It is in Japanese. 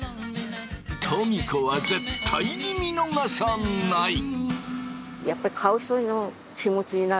トミ子は絶対に見逃さない。